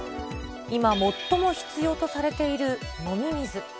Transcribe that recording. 今最も必要とされている飲み水。